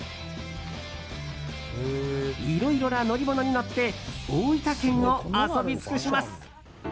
いろいろな乗り物に乗って大分県を遊び尽します。